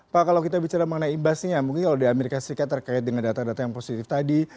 pak kalau kita bicara mengenai imbasnya mungkin kalau di amerika serikat terkait dengan data data yang positif tadi